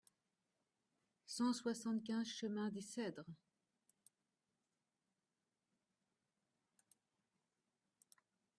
cent soixante-quinze chemin des Cedres